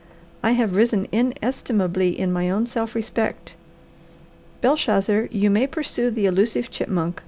I have risen inestimably in my own self respect. Belshazzar, you may pursue the elusive chipmunk.